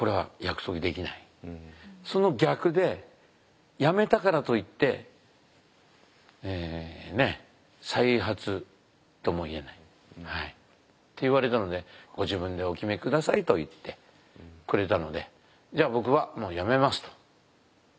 その逆でやめたからといって再発とも言えないって言われたのでご自分でお決め下さいと言ってくれたのでじゃあ僕はもうやめますと。